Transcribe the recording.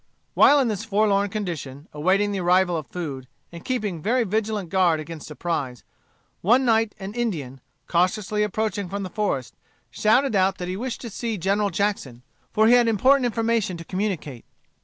While in this forlorn condition, awaiting the arrival of food, and keeping very vigilant guard against surprise, one night an Indian, cautiously approaching from the forest, shouted out that he wished to see General Jackson, for he had important information to communicate.